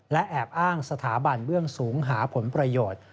และแอบอ้างสถาบันเบื้องสูงหาผลประโยชน์